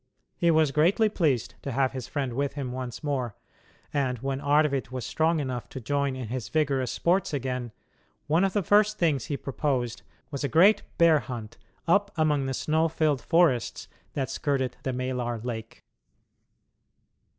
He was greatly pleased to have his friend with him once more, and, when Arvid was strong enough to join in his vigorous sports again, one of the first things he proposed was a great bear hunt up among the snow filled forests that skirted the Maelar Lake.